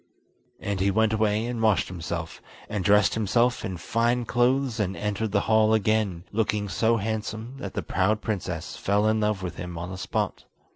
And he went away and washed himself, and dressed himself in fine clothes and entered the hall again, looking so handsome that the proud princess fell in love with him on the spot.